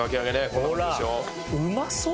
うまそう！